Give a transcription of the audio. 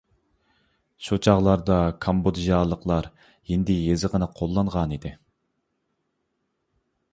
شۇ چاغلاردا كامبودژالىقلار ھىندى يېزىقىنى قوللانغانىدى.